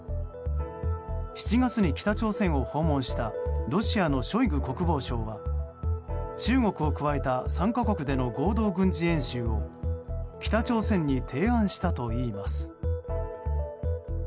７月に北朝鮮を訪問したロシアのショイグ国防相は中国を加えた３か国での合同軍事演習を北朝鮮に提案したといいます。